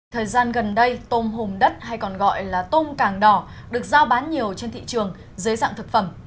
thời gian gần đây tôm hùm đất hay còn gọi là tôm càng đỏ được giao bán nhiều trên thị trường dưới dạng thực phẩm